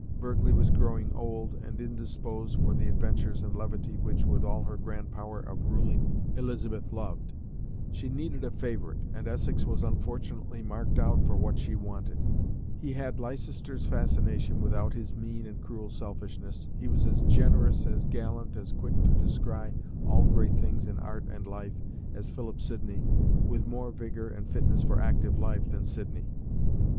Burghley was growing old, and indisposed for the adventures and levity which, with all her grand power of ruling, Elizabeth loved. She needed a favourite, and Essex was unfortunately marked out for what she wanted. He had Leicester's fascination, without his mean and cruel selfishness. He was as generous, as gallant, as quick to descry all great things in art and life, as Philip Sidney, with more vigour and fitness for active life than Sidney.